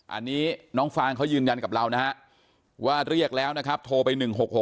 อันนี้น้องฟางเขายืนยันกับเรานะฮะว่าเรียกแล้วนะครับโทรไป๑๖๖